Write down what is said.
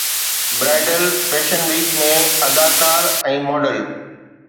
bridal fashion week ۾ اداڪار ۽ model